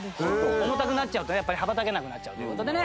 重たくなっちゃうとやっぱり羽ばたけなくなっちゃうという事でね。